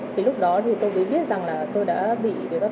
thì lúc đó thì tôi mới biết rằng là tôi đã bị các đối tượng lừa đảo